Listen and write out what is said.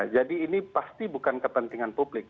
jadi ini pasti bukan kepentingan publik